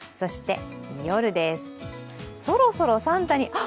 夜です、そろそろサンタにあっ！